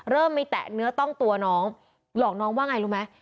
เริ่มมีแตะเนื้อต้องตัวน้องหลอกน้องว่าไงรู้ไหม